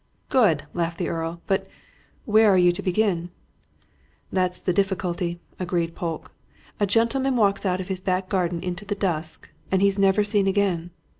"Good!" laughed the Earl. "But where are you going to begin?" "That's the difficulty," agreed Polke. "A gentleman walks out of his back garden into the dusk and he's never seen again.